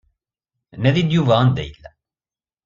Nadi-d Yuba anda yella.